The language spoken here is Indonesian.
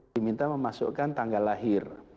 diminta memasukkan tanggal lahir